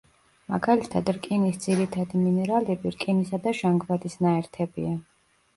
მაგალითად რკინის ძირითადი მინერალები, რკინისა და ჟანგბადის ნაერთებია.